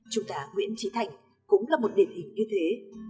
chúng ta nguyễn trí thành cũng là một điển hình như thế